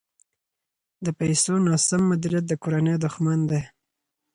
د پیسو ناسم مدیریت د کورنۍ دښمن دی.